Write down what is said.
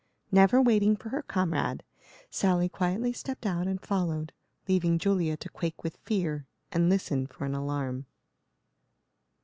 Never waiting for her comrade, Sally quietly stepped out and followed, leaving Julia to quake with fear and listen for an alarm.